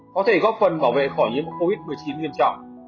có thể góp phần bảo vệ khỏi nhiễm covid một mươi chín nghiêm trọng